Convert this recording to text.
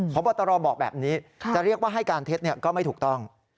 พบตรบอกแบบนี้จะเรียกว่าให้การเท็จก็ไม่ถูกต้อง